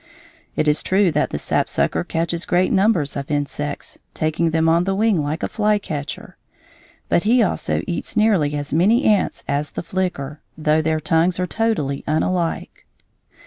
It is true that the sapsucker catches great numbers of insects, taking them on the wing like a flycatcher. But he also eats nearly as many ants as the flicker, though their tongues are totally unlike.